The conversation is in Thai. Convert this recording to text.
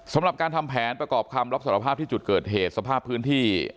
สำหรับการทำแผนประกอบคำรับสารภาพที่จุดเกิดเหตุสภาพพื้นที่